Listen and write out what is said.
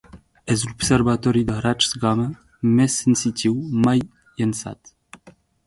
És l'observatori de raigs gamma més sensitiu mai llançat.